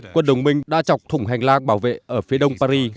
quân đồng minh đã chọc thủng hành lang bảo vệ ở phía đông paris